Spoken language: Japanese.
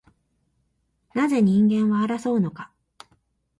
なぜ人間は争うのか